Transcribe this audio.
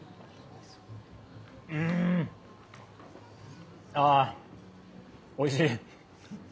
うん、あぁおいしい。